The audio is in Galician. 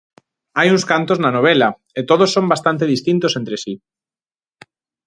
Hai uns cantos na novela e todos son bastante distintos entre si.